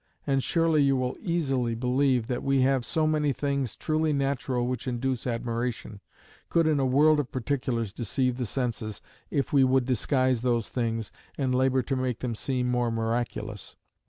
And surely you will easily believe that we that have so many things truly natural which induce admiration, could in a world of particulars deceive the senses, if we would disguise those things and labour to make them seem more miraculous.